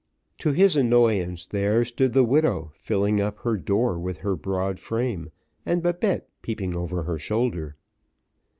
To his annoyance, there stood the widow filling up her door with her broad frame, and Babette peeping over her shoulder.